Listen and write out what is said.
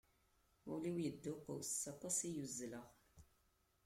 Ul-iw yedduqus, aṭas i uzzleɣ.